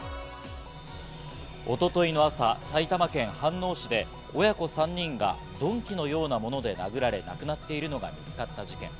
一昨日の朝、埼玉県飯能市で親子３人が鈍器のようなもので殴られ、亡くなっているのが見つかった事件。